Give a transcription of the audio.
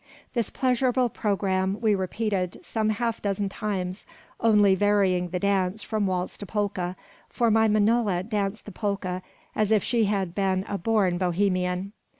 This pleasurable programme we repeated some half dozen times, only varying the dance from waltz to polka, for my manola danced the polka as if she had been a born Bohemian.